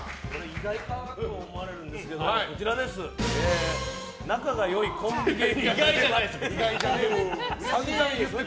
意外かなと思われるんですけど仲が良いコンビ芸人といえば？